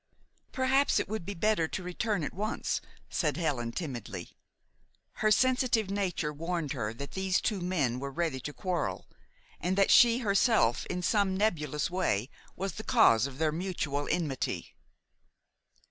"Perhaps it would be better to return at once," said Helen timidly. Her sensitive nature warned her that these two men were ready to quarrel, and that she herself, in some nebulous way, was the cause of their mutual enmity.